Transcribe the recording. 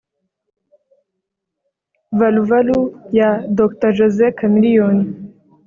Valu Valu ya Dr Jose Chameleone